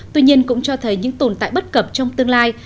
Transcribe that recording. tuy nhiên cũng cho thấy những tồn tại bất cập trong tương lai